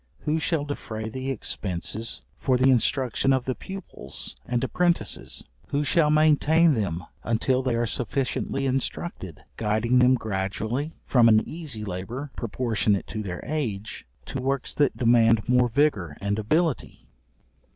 Who shall defray the expences for the instruction of the pupils and apprentices? Who shall maintain them until they are sufficiently instructed, guiding them gradually from an easy labour proportionate to their age, to works that demand more vigour and ability?